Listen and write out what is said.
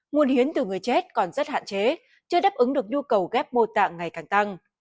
nguồn hiến từ người chết còn rất hạn chế chưa đáp ứng được nhu cầu ghép mô tạng ngày càng tăng